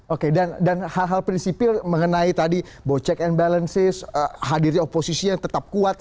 oke dan hal hal prinsipil mengenai tadi bocek and balances hadir di oposisi yang tetap kuat